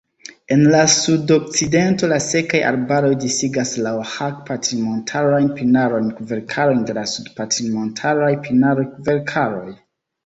En la sudokcidento la sekaj arbaroj disigas la oaĥak-patrinmontarajn pinarojn-kverkarojn de la sud-patrinmontaraj pinaroj-kverkaroj.